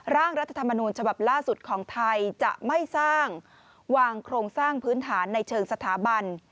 ร่างรัฐธรรมนูญฉบับล่าสุดของไทยจะไม่สร้างวางโครงสร้างพื้นฐานในเชิงสถาบัน